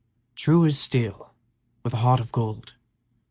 "True as steel, with a heart of gold!"